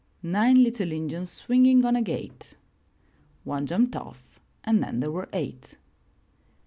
Nine little Injuns swinging on a gate — One jumped off and then there were eight.